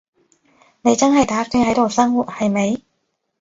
你真係打算喺度生活，係咪？